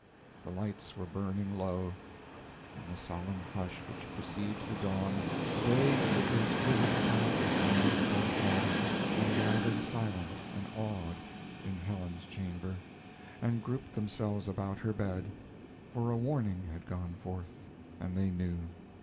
The lights were burning low. In the solemn hush which precedes the dawn vague figures flitted soundless along the dim hall and gathered silent and awed in Helen's chamber, and grouped themselves about her bed, for a warning had gone forth, and they knew.